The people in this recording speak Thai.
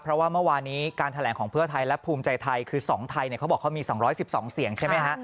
เพราะว่าเมื่อวานี้การแถลงของเพื่อไทยและภูมิใจไทยคือ๒ไทยเขาบอกเขามี๒๑๒เสียงใช่ไหมฮะ